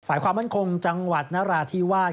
ความมั่นคงจังหวัดนราธิวาส